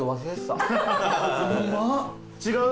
違う？